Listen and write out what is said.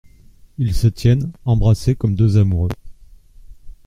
Ils se tiennent embrassés comme deux amoureux.